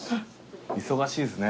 忙しいですね。